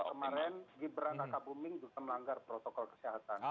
kalau kemarin gibran kakak buming juga melanggar protokol kesehatan